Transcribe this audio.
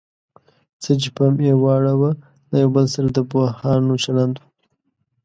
څه چې پام یې واړاوه له یو بل سره د پوهانو چلند و.